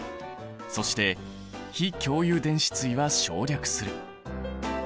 そして非共有電子対は省略する。